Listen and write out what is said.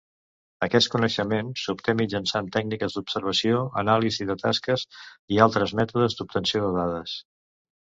Aquest coneixement s'obté mitjançant tècniques d'observació, anàlisi de tasques i altres mètodes d'obtenció de dades.